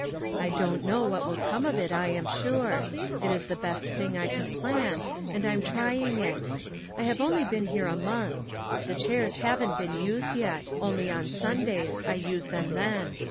I don't know what will come of it, I am sure. It is the best thing I could plan, and I am trying it. I have only been here a month. The chairs haven't been used yet. Only on Sun days ; I use them then.